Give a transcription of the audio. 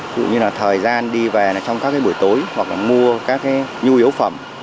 vụ như là thời gian đi về trong các buổi tối hoặc mua các nhu yếu phẩm